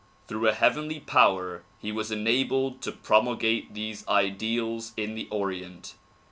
Through a heavenly power he was enabled to promulgate these ideals in the Orient.